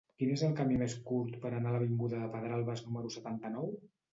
Quin és el camí més curt per anar a l'avinguda de Pedralbes número setanta-nou?